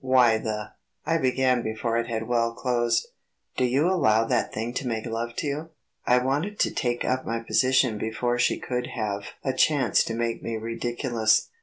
"Why the ..." I began before it had well closed, "do you allow that thing to make love to you?" I wanted to take up my position before she could have a chance to make me ridiculous.